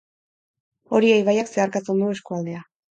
Oria ibaiak zeharkatzen du eskualdea.